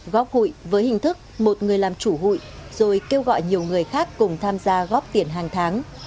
góp hụi với hình thức một người làm chủ hụi rồi kêu gọi nhiều người khác cùng tham gia góp tiền hàng tháng